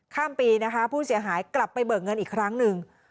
ข้ามปีนะคะผู้เสียหายกลับไปเบิกเงินอีกครั้งหนึ่ง